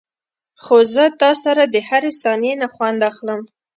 خو زه تاسره دهرې ثانيې نه خوند اخلم.